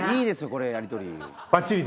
これやり取り。